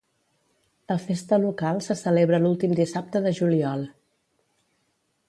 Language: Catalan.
La festa local se celebra l'últim dissabte de juliol.